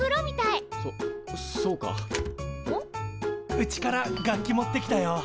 うちから楽器持ってきたよ。